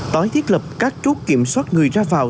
tói thiết lập các trúc kiểm soát người ra vào